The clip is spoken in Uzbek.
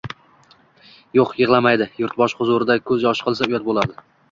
Yo‘q, yig‘lamaydi, yurtboshi huzurida ko‘z yoshi qilsa, uyat bo‘ladi.